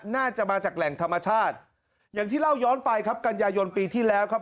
น่าจะมาจากแหล่งธรรมชาติอย่างที่เล่าย้อนไปครับกันยายนปีที่แล้วครับ